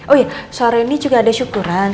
oh iya sore ini juga ada syukuran